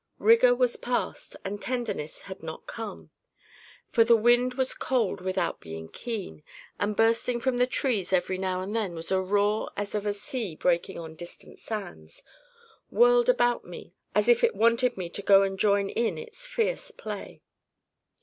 Rigour was past, and tenderness had not come. For the wind was cold without being keen, and bursting from the trees every now and then with a roar as of a sea breaking on distant sands, whirled about me as if it wanted me to go and join in its fierce play.